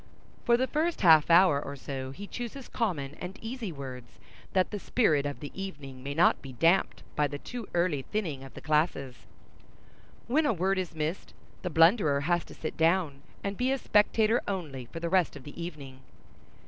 For the first half hour or so he chooses common and easy words, that the spirit of the evening may not be damped by the too early thinning of the classes. When a word is missed, the blunderer has to sit down, and be a spectator only for the rest of the evening.